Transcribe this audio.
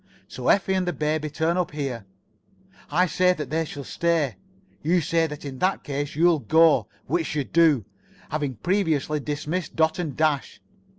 So Effie and the baby turn up here. I say that they shall stay. You say that in that case you'll go, which you do, having previously dismissed Dot and Dash.